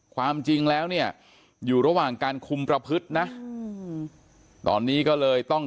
ความจริงแล้วเนี่ยอยู่ระหว่างการคุมประพฤตินะตอนนี้ก็เลยต้อง